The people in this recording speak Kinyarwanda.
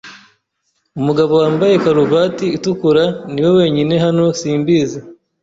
Umugabo wambaye karuvati itukura niwe wenyine hano simbizi.